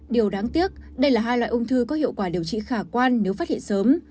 điều đáng tiếc đây là hai loại ung thư có hiệu quả điều trị khả quan nếu phát hiện sớm